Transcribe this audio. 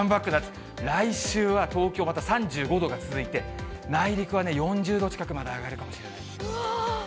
来週は東京、また３５度が続いて、内陸は４０度近くまで上がるかもうわー。